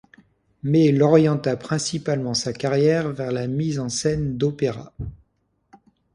Mais il orienta principalement sa carrière vers la mise en scène d'opéras.